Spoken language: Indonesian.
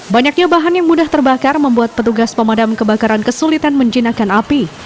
banyaknya bahan yang mudah terbakar membuat petugas pemadam kebakaran kesulitan menjinakkan api